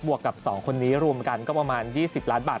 วกกับ๒คนนี้รวมกันก็ประมาณ๒๐ล้านบาท